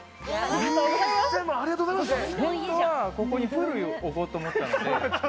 本当はここにプールを置こうと思ったので。